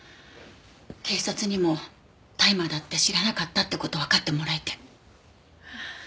警察にも大麻だって知らなかったって事わかってもらえて。